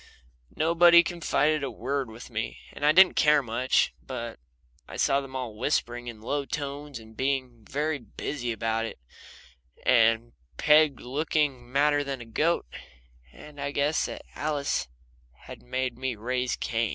Nobody confided a word to me, and I didn't care much, but I saw them all whispering in low tones and being very busy about it, and Peg looking madder than a goat, and I guessed that Alice had made me raise Cain.